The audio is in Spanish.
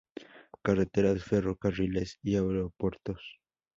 Carreteras, ferrocarriles y aeropuertos".